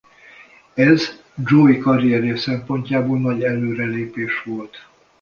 Ez Joy karrierje szempontjából nagy előrelépés volt.